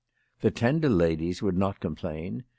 The Tendel ladies would not complain.